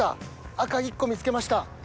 赤１個見つけました。